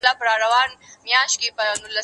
زه مخکي خبري کړي وو